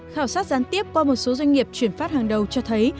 khảo sát gián tiếp qua một số doanh nghiệp chuyển phát hàng đầu cho thấy